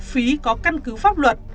phí có căn cứ pháp luật